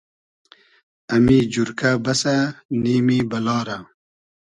امی جورکۂ بئسۂ نیمی بئلا رۂ